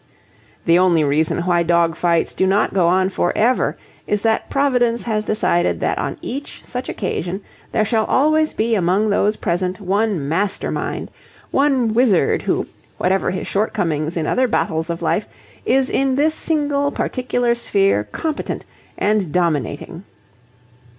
The only reason why dog fights do not go on for ever is that Providence has decided that on each such occasion there shall always be among those present one Master Mind; one wizard who, whatever his shortcomings in other battles of life, is in this single particular sphere competent and dominating.